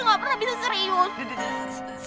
untuk kenapa saya sedikit aja gak pernah bisa serius